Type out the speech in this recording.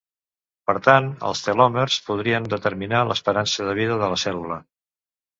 Per tant, els telòmers podrien determinar l'esperança de vida de la cèl·lula.